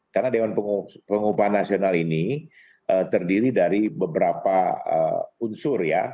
karena dewan pengupahan nasional ini terdiri dari beberapa unsur ya